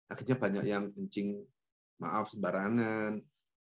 akhirnya banyak yang kencing maaf sembarangan